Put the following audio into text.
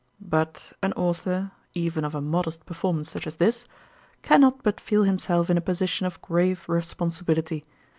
But an author, even of a modest perform ance such as this, can not but feel himself in a position of grave responsibility.